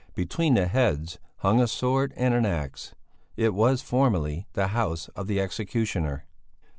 Between the heads hung a sword and an axe. It was formerly the house of the executioner.